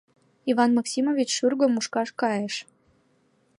Иван Максимович шӱргӧ мушкаш кайыш.